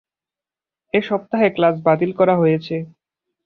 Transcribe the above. এ সপ্তাহে ক্লাস বাতিল করা হয়েছে।